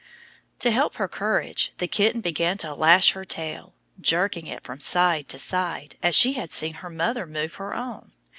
To help her courage the kitten began to lash her tail, jerking it from side to side as she had seen her mother move her own.